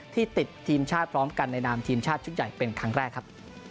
ติดทีมชาติพร้อมกันในนามทีมชาติชุดใหญ่เป็นครั้งแรกครับ